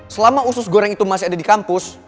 selama usus goreng itu masih ada di kampus